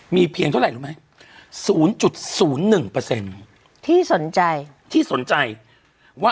มีเพียงเท่าไหร่รู้ไหม